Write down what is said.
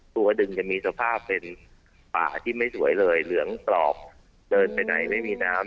ตัวดึงจะมีสภาพเป็นป่าที่ไม่สวยเลยเหลืองกรอบเดินไปไหนไม่มีน้ำ